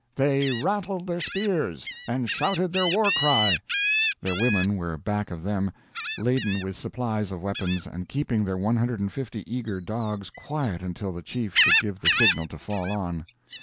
"They rattled their spears and shouted their war cry." Their women were back of them, laden with supplies of weapons, and keeping their 150 eager dogs quiet until the chief should give the signal to fall on.